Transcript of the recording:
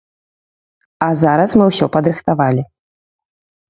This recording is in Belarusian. А зараз мы ўсё падрыхтавалі.